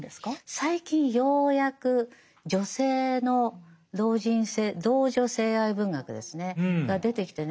最近ようやく女性の老人性老女性愛文学ですねが出てきてね